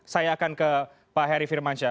saya akan ke pak heri firmansyah